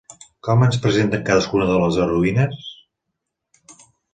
Com ens presenten cadascuna de les heroïnes?